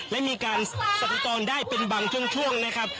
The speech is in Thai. และมีการสัทกรได้เป็นบางช่วงนะครับ